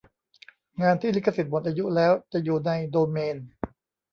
งานที่ลิขสิทธิ์หมดอายุแล้ว จะอยู่ในโดเมน